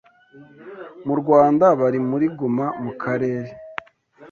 Mu Rwanda bari muri guma mukarere